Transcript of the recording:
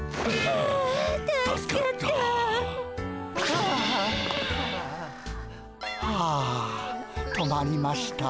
はあ止まりました。